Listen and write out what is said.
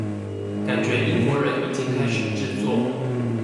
感覺英國人已經開始製作